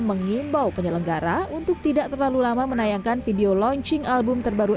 mengimbau penyelenggara untuk tidak terlalu lama menayangkan video launching album terbaru